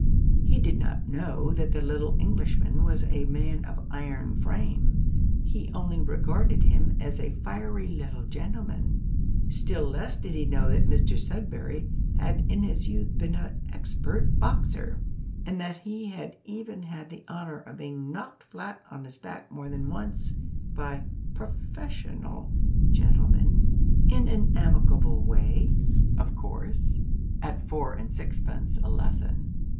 He did not know that the little Englishman was a man of iron frame; he only regarded him as a fiery little gentleman. Still less did he know that Mr Sudberry had in his youth been an expert boxer, and that he had even had the honour of being knocked flat on his back more than once by professional gentlemen in an amicable way, of course at four and sixpence a lesson.